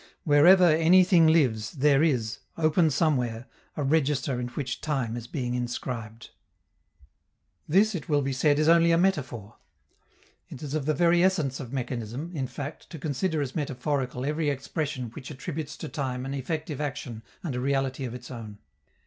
Wherever anything lives, there is, open somewhere, a register in which time is being inscribed. This, it will be said, is only a metaphor. It is of the very essence of mechanism, in fact, to consider as metaphorical every expression which attributes to time an effective action and a reality of its own.